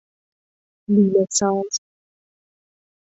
لوله ساز